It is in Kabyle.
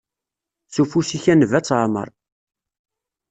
S ufus-ik a Nnbi ad teɛmer.